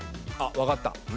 あっわかった。